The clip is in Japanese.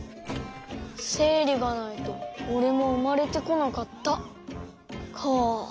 「せいりがないとおれもうまれてこなかった」か。